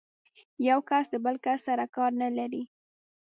یو کس د بل کس سره کار نه لري.